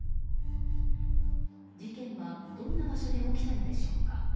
事件は、どんな場所で起きたのでしょうか。